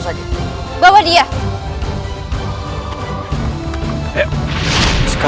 jangan tinggal setuju dengan istriku